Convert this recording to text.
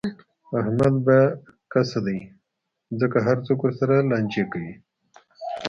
احمد به کسه دی، ځکه هر څوک ورسره لانجې کوي.